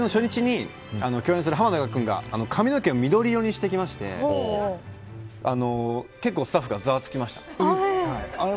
撮影の初日に共演する濱田岳君が髪の毛を緑色にしてきまして結構スタッフがざわつきました。